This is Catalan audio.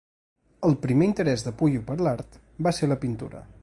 El primer interès de Puiu per l'art va ser la pintura.